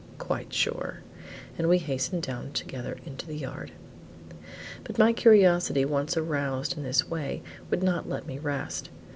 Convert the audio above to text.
"Quite sure;" and we hastened down together into the yard. But my curiosity once aroused in this way would not let me rest.